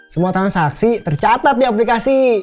semua transaksi tercatat di aplikasi